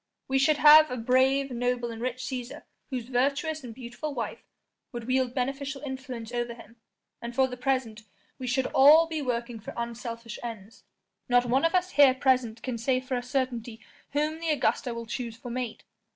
We should have a brave, noble and rich Cæsar whose virtuous and beautiful wife would wield beneficial influence over him, and for the present we should all be working for unselfish ends; not one of us here present can say for a certainty whom the Augusta will choose for mate.